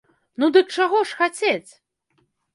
Ну, дык чаго ж хацець?